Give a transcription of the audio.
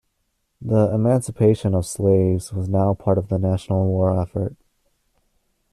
The emancipation of slaves was now part of the national war effort.